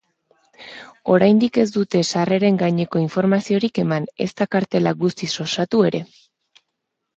Oraindik ez dute sarreren gaineko informaziorik eman, ezta kartela guztiz osatu ere.